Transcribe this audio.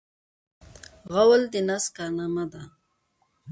غول د نس کارنامه ده.